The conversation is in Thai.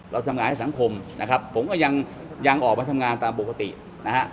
เราทำงานให้สังคมนะครับผมก็ยังออกมาทำงานตามปกตินะฮะ